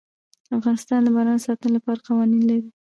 افغانستان د باران د ساتنې لپاره قوانین لري.